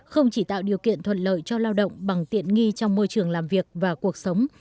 không chỉ tạo điều kiện thuận lợi cho lao động bằng tiện nghi trong môi trường làm việc và cuộc sống